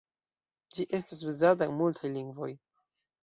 Ĝi estas uzata en multaj lingvoj.